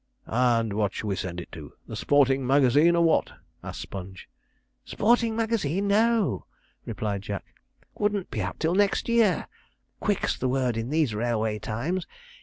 'And what shall we send it to? the Sporting Magazine, or what?' asked Sponge. 'Sporting Magazine! no,' replied Jack; 'wouldn't be out till next year quick's the word in these railway times.